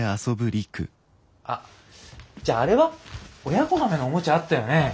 あじゃああれは？親子ガメのおもちゃあったよね。